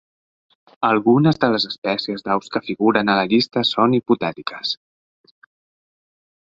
Algunes de les espècies d'aus que figuren a la llista són hipotètiques.